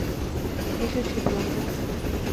এসেছি, প্রভু।